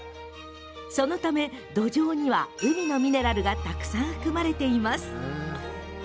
そのため、土壌には海のミネラルがたくさん含まれているんです。